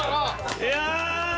いや！